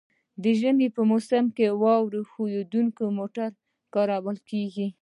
د ژمي په موسم کې واوره ښوییدونکي موټر کارول کیږي